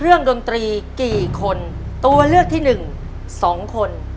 เรื่องดนตรีกี่คนตัวเลือกที่หนึ่ง๒คน